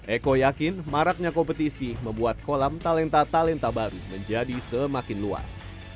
eko yakin maraknya kompetisi membuat kolam talenta talenta baru menjadi semakin luas